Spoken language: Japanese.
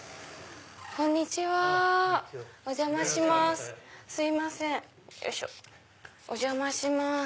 すいませんお邪魔します。